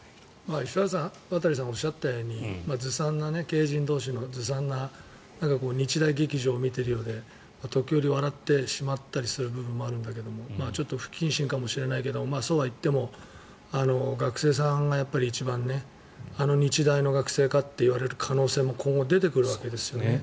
石渡さんがおっしゃったようにずさんな経営陣同士の日大劇場を見ているようで時折笑ってしまったりする部分もあるんだけどちょっと不謹慎かもしれないけどそうはいっても学生さんが、一番あの日大の学生かといわれる可能性も今後出てくるわけですよね。